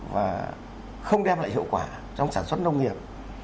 và không đem lại hiệu quả trong sản xuất nông nghiệp